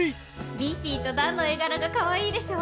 ミッフィーとダーンの絵柄がかわいいでしょ？